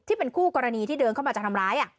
ที่เป็นคู่กรณีที่เดินเข้ามาจะทำร้าย